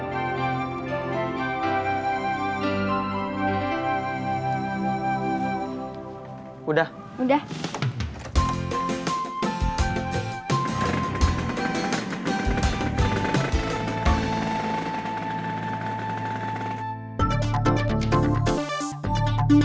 pegangan ember halnya buat luar tilim